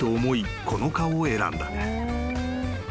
この科を選んだ］